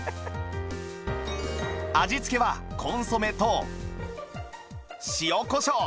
味付けはコンソメと塩コショウ